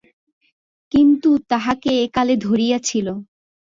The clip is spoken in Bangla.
কিন্তু, তাঁহাকে একালে ধরিয়াছিল।